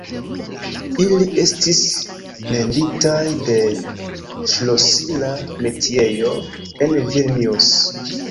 Ili estis menditaj de ŝlosila metiejo en Vilnius.